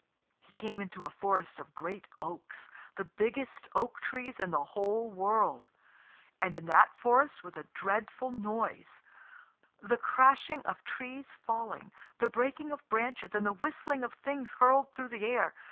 He came into a forest of great oaks, the biggest oak trees in the whole world. And in that forest was a dreadful noise the crashing of trees falling, the breaking of branches, and the whistling of things hurled through the air.